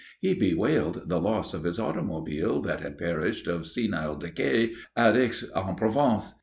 He bewailed the loss of his automobile that had perished of senile decay at Aix en Provence.